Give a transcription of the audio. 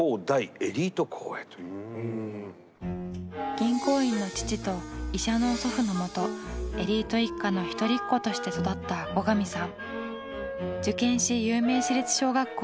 銀行員の父と医者の祖父のもとエリート一家の一人っ子として育った後上さん。